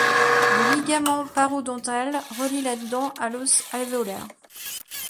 Le ligament parodontal relie la dent à l'os alvéolaire.